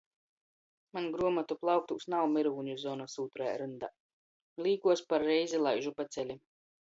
Maņ gruomotu plauktūs nav myrūņu zonys ūtrajā ryndā, līkuos par reizi laižu pa celi.